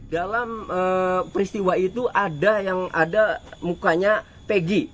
dalam peristiwa itu ada yang ada mukanya pegi